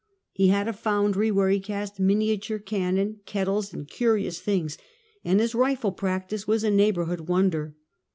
He had a foundry, whei*e he cast miniature cannon, kettles and curious things, and his rifle practice was a neighborhood won der.